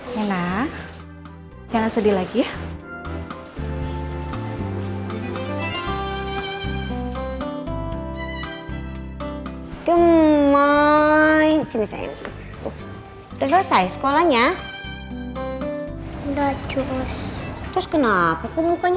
sampai jumpa di video selanjutnya